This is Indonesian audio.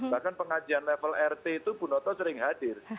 bahkan pengajian level rt itu bu noto sering hadir